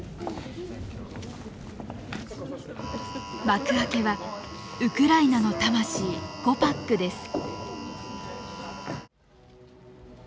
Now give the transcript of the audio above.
幕開けはウクライナの魂「ゴパック」です。